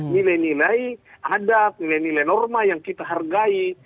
nilai nilai adat nilai nilai norma yang kita hargai